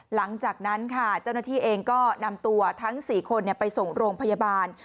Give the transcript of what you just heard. หลังจากนั้นค่ะเจ้าหน้าที่เองก็นำตัวทั้ง๔คนไปส่งโรงพยาบาล